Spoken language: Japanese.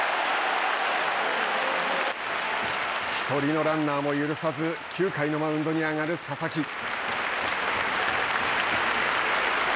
１人のランナーも許さず９回のマウンドに上がる佐々木。